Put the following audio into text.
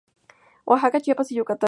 Oaxaca, Chiapas y Yucatán.